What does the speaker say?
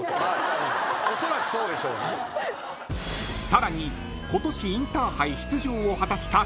［さらに今年インターハイ出場を果たした］